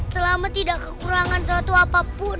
selama tidak kekurangan suatu apapun